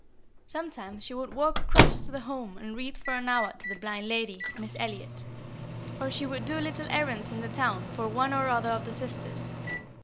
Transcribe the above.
Sometimes she would walk across to the Home and read for an hour to the blind lady, Miss Elliot, or she would do little errands in the town for one or other of the sisters.